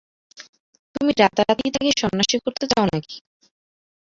তুমি রাতারাতিই তাঁকে সন্ন্যাসী করতে চাও নাকি?